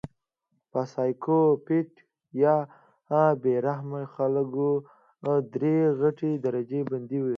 پۀ سايکو پېت يا بې رحمه خلکو درې غټې درجه بندۍ وي